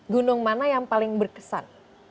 gunung mana yang paling berkesan